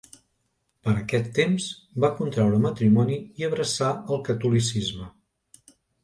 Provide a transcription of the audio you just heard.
Per aquest temps va contraure matrimoni i abraçà el catolicisme.